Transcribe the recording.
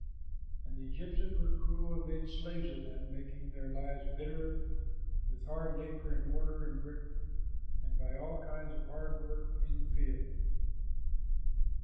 And the Egyptians were cruel and made slaves of them, making their lives bitter with hard labor in mortar and brick, and by all kinds of hard work in the field.